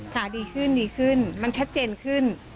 ขาดีขึ้นดีขึ้นมันชัดเจนขึ้น